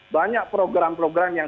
banyak program program yang